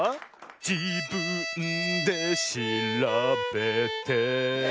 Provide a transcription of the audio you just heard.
「じぶんでしらべて」